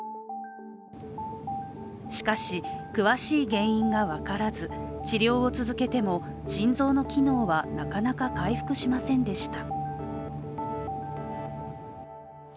しかし、詳しい原因が分からず治療を続けても、心臓の機能はなかなか回復しませんでした。